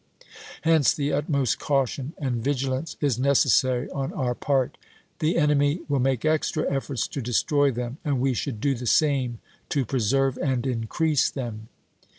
Hence the utmost caution ^H.^ter!° 3,nd vigilance is necessary on our part. The enemy iseaf'^w.'^R. will make extra efforts to destroy them, and we Vol XIV pp. 435, 436. should do the same to preserve and increase them."